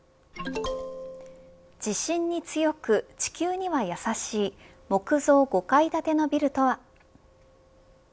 地震に強く地球にはやさしい木造５階建てのビルとは。